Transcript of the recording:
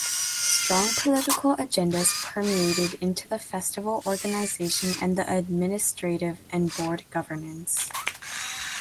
Strong political agendas permeated into the festival organization and the administrative and board governance.